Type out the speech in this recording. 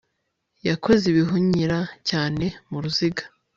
Yakoze ibihunyira cyane muruziga